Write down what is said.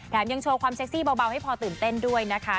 ยังโชว์ความเซ็กซี่เบาให้พอตื่นเต้นด้วยนะคะ